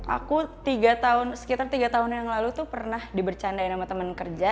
aku sekitar tiga tahun yang lalu tuh pernah dibercandain sama temen kerja